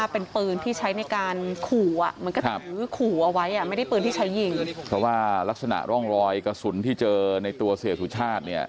เพราะว่ารักษณะร่องรอยกระสุนที่เจอในตัวเสียสุชาติ